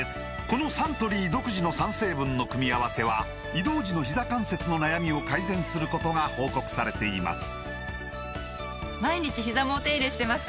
このサントリー独自の３成分の組み合わせは移動時のひざ関節の悩みを改善することが報告されています